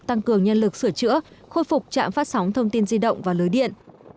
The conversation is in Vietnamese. tăng cường nhân lực sửa chữa khôi phục trạm phát sóng thông tin di động và lưới điện